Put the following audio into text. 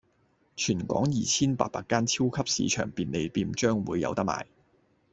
全香港二千八百間超級市場、便利店將會有得賣